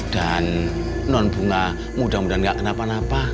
dan nond bunga mudah mudahan gak kenapa napa